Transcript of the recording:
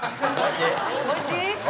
おいしい？